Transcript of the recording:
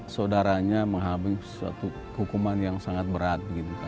saudaranya menghabis suatu hukuman yang sangat berat